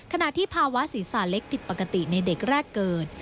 ขณะที่ภาวะศีรษะเล็กผิดปกติในเด็กแรกเกิด